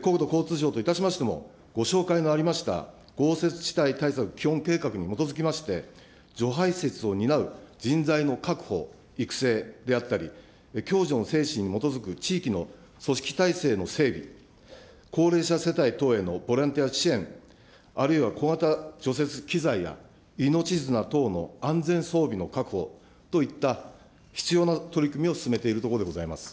国土交通省といたしましても、ご紹介のありました豪雪地帯対策基本計画に基づきまして、除排雪を担う人材の確保、育成であったり共助の精神に基づく地域の組織体制の整備、高齢者世帯等へのボランティア支援、あるいは小型除雪機材や、命綱等の安全装備の確保といった必要な取り組みを進めているところでございます。